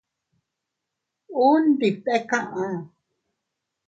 Unwe ndi bte kaʼa.